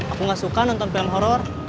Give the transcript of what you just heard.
aku nggak suka nonton film horor